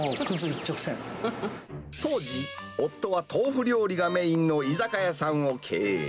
当時、夫は豆腐料理がメインの居酒屋さんを経営。